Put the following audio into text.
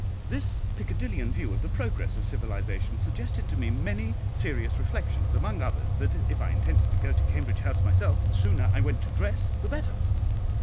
This Piccadillean view of the progress of civilisation suggested to me many serious reflections; among others, that if I intended to go to Cambridge House myself, the sooner I went to dress the better.